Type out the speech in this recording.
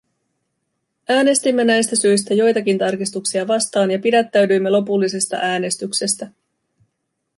Äänestimme näistä syistä joitakin tarkistuksia vastaan ja pidättäydyimme lopullisesta äänestyksestä.